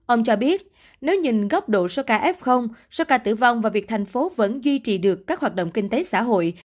ông cho biết nếu nhìn góc độ soka f soka tử vong và việc thành phố vẫn duy trì được các hoạt động kinh tế xã hội